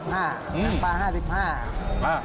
หนังปลา๕๕